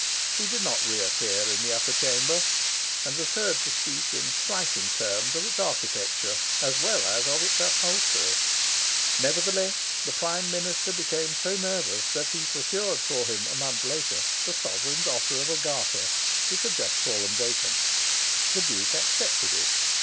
He did not re appear in the Upper Chamber, and was heard to speak in slighting terms of its architecture, as well as of its upholstery. Nevertheless, the Prime Minister became so nervous that he procured for him, a month later, the Sovereign's offer of a Garter which had just fallen vacant. The Duke accepted it.